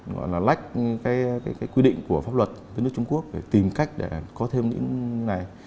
gọi là lách cái quy định của pháp luật với nước trung quốc để tìm cách để có thêm những ngày